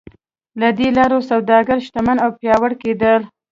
له دې لارې سوداګر شتمن او پیاوړي کېدل.